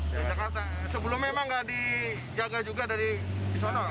dari jakarta sebelumnya memang tidak dijaga juga dari di sana